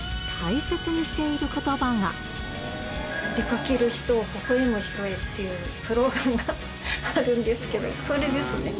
かける人を、ほほえむ人へ。っていうスローガンがあるんですけど、それですね。